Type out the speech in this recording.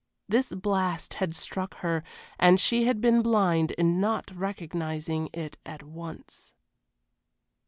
This blast had struck her, and she had been blind in not recognizing it at once.